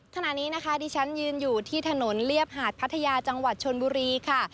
ขณะนี้นะคะดิฉันยืนอยู่ที่ถนนเรียบหาดพัทยาจังหวัดชนบุรีค่ะ